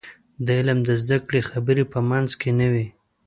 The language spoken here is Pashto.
د علم د زده کړې خبرې په منځ کې نه وي.